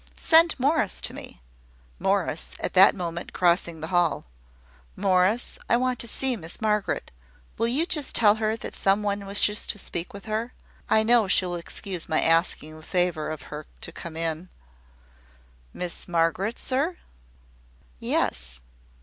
"Send Morris to me," Morris at that moment crossing the hall. "Morris, I want to see Miss Margaret. Will you just tell her that some one wishes to speak with her? I know she will excuse my asking the favour of her to come in." "Miss Margaret, sir?" "Yes."